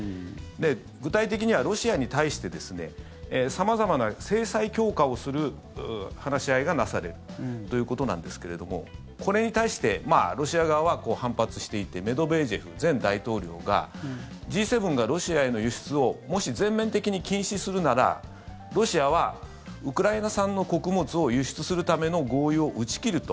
具体的には、ロシアに対して様々な制裁強化をする話し合いがなされるということなんですけれどもこれに対してロシア側は反発していてメドベージェフ前大統領がＧ７がロシアへの輸出をもし全面的に禁止するならロシアはウクライナ産の穀物を輸出するための合意を打ち切ると。